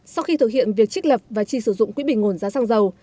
sau khi thực hiện việc trích lập và chi sử dụng quỹ bình nguồn giá xăng dầu